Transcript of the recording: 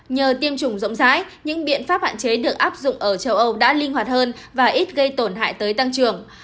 nhờ tiêm chủng rộng rãi những biện pháp hạn chế được áp dụng ở châu âu đã linh hoạt hơn và ít gây tổn hại tới tăng trưởng